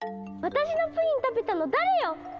私のプリン食べたの誰よ！